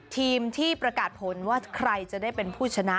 ทีมที่ประกาศผลว่าใครจะได้เป็นผู้ชนะ